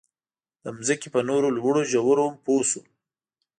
د ځمکې په نورو لوړو ژورو هم پوه شو.